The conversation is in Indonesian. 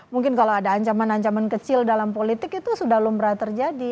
mungkin kalau ada ancaman ancaman kecil dalam politik itu sudah lumrah terjadi